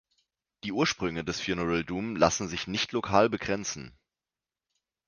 Die Ursprünge des Funeral Doom lassen sich nicht lokal begrenzen.